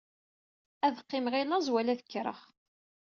Ad qqimeɣ i laẓ wala ad akreɣ.